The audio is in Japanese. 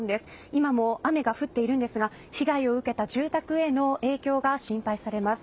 今も雨が降っているんですが被害を受けた住宅への影響が心配されます。